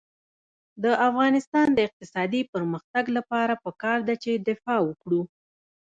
د افغانستان د اقتصادي پرمختګ لپاره پکار ده چې دفاع وکړو.